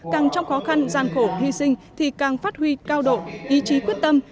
càng trong khó khăn gian khổ hy sinh thì càng phát huy cao độ ý chí quyết tâm